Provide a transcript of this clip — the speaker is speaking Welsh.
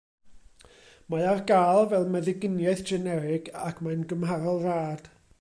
Mae ar gael fel meddyginiaeth generig ac mae'n gymharol rad.